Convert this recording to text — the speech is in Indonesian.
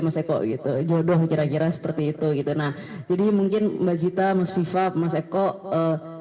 mas eko gitu jodoh kira kira seperti itu gitu nah jadi mungkin mbak zita mas viva mas eko